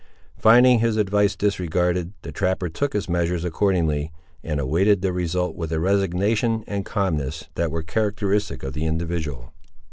Finding his advice disregarded, the trapper took his measures accordingly, and awaited the result with a resignation and calmness that were characteristic of the individual.